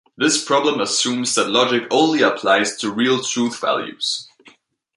This problem assumes that logic only applies to real truth values.